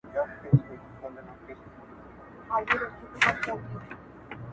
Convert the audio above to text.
o زمری په ځنگلو کي اموخته دئ!